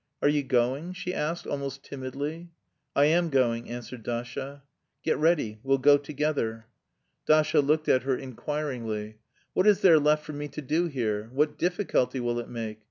"Are you going?" she asked almost timidly. "I am going," answered Dasha. "Get ready! We'll go together." Dasha looked at her inquiringly. "What is there left for me to do here? What difficulty will it make?